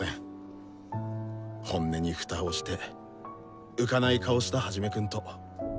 本音に蓋をして浮かない顔したハジメくんと。